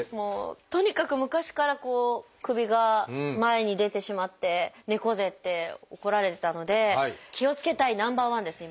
とにかく昔からこう首が前に出てしまって猫背って怒られてたので気をつけたいナンバーワンです今。